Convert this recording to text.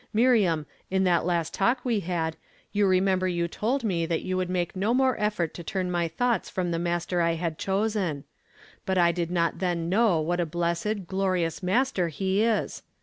Miriam, in that last talk we had, you remember you told me that you would make no more effort to turn my thoughts from the Master I had chosen. But I did not then know what a blessed, glorious Master he is.